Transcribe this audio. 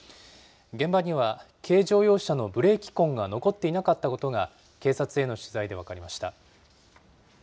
現場には軽乗用車のブレーキ痕が残っていなかったことが、警察への取材で分かりました。